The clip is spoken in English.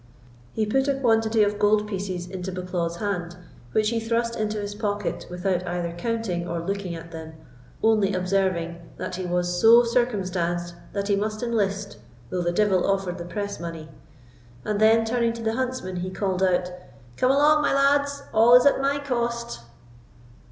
He put a quantity of gold pieces into Bucklaw's hand, which he thrust into his pocket without either counting or looking at them, only observing, "That he was so circumstanced that he must enlist, though the devil offered the press money"; and then turning to the huntsmen, he called out, "Come along, my lads; all is at my cost."